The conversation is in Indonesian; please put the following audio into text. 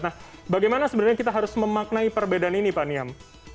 nah bagaimana sebenarnya kita harus memaknai perbedaan ini pak niam